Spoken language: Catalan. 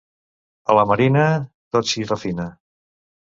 A la Marina, tot s'hi refina.